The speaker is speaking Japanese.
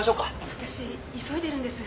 私急いでるんです。